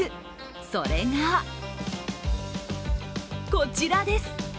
それがこちらです。